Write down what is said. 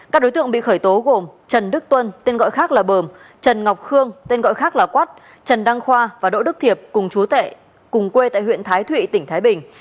các đối tượng bị khởi tố gồm trần đức tuân tên gọi khác là bơm trần ngọc khương tên gọi khác là quát trần đăng khoa và đỗ đức thiệp cùng chú tệ cùng quê tại huyện thái thụy tỉnh thái bình